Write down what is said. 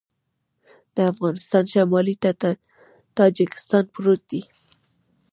د افغانستان شمال ته تاجکستان پروت دی